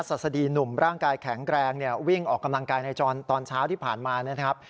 ศดีหนุ่มร่างกายแข็งแรงเนี่ยวิ่งออกกำลังกายในตอนเช้าที่ผ่านมานะครับ